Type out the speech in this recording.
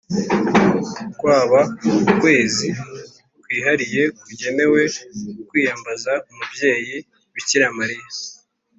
kwaba ukwezi kwihariye kugenewe kwiyambaza umubyeyi bikira mariya